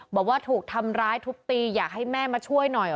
บอกว่าถูกทำร้ายทุบตีอยากให้แม่มาช่วยหน่อย